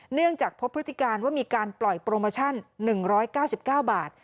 เนื่องจากพบพฤติการว่ามีการปล่อยโปรโมชั่น๑๙๙บาท